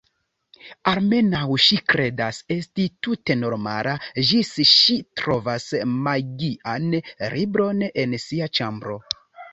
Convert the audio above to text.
Almenaŭ ŝi kredas esti tute normala, ĝis ŝi trovas magian libron en sia ĉambro.